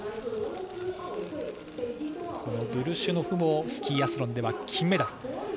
このブルシュノフもスキーアスロンでは金メダル。